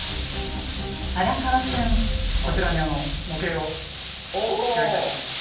こちらに模型を用意いたしました。